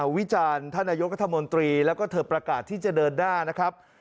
วิจารณ์ท่านนายกรัฐมนตรีแล้วก็เธอประกาศที่จะเดินหน้านะครับ